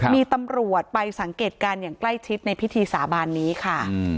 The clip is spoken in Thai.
มีตำรวจไปสังเกตการณ์อย่างใกล้ชิดในพิธีสาบานนี้ค่ะ